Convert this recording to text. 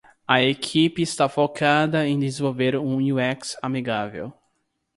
A equipe está focada em desenvolver um UX amigável.